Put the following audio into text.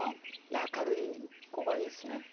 明るい子がいいですね。